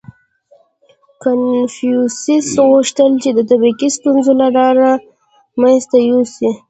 • کنفوسیوس غوښتل، چې د طبقې ستونزه له منځه یوسي.